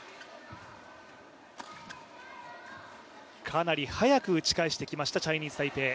かなり速く打ち返してきましたチャイニーズ・タイペイ。